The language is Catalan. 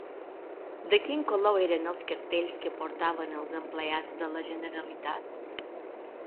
De quin color eren els cartells que portaven els empleats de la Generalitat?